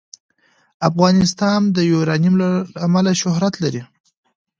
افغانستان د یورانیم له امله شهرت لري.